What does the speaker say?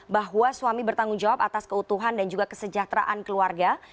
bahwa suami bertanggung jawab atas keutuhan dan juga kesejahteraan keluarga